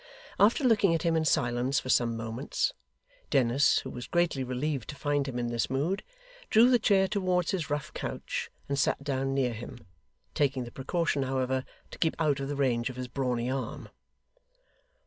After looking at him in silence for some moments, Dennis, who was greatly relieved to find him in this mood, drew the chair towards his rough couch and sat down near him taking the precaution, however, to keep out of the range of his brawny arm.